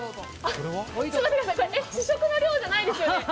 これ、試食の量じゃないですよね！？